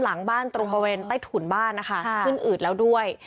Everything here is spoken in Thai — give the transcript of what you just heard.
หลังบ้านตรงบริเวณใต้ถุนบ้านนะคะขึ้นอืดแล้วด้วย